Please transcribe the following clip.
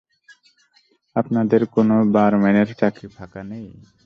আপনাদের কোনো বারম্যানের চাকরি ফাঁকা নেই?